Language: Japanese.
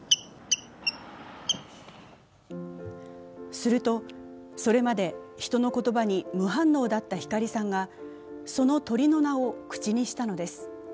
すると、それまで人の言葉に無反応だった光さんがその鳥の名を口にしたのです。